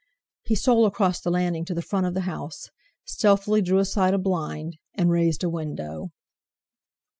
He stole across the landing to the front of the house, stealthily drew aside a blind, and raised a window.